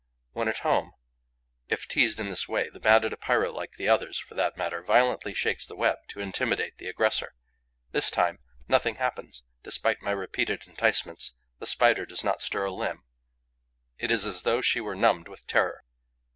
When at home, if teased in this way, the Banded Epeira like the others, for that matter violently shakes the web to intimidate the aggressor. This time, nothing happens: despite my repeated enticements, the Spider does not stir a limb. It is as though she were numbed with terror.